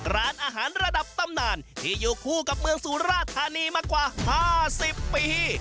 ร้านอาหารระดับตำนานที่อยู่คู่กับเมืองสุราธานีมากว่า๕๐ปี